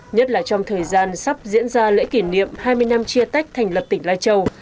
nhất là trong thời gian sắp diễn ra lễ kỷ niệm hai mươi năm chia tách thành lập tỉnh lai châu